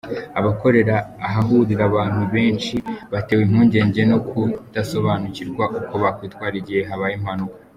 Abakorera ahahurira abantu benshi batewe impungenge no kudasobanurirwa uko bakwitwara igihe habaye impanuka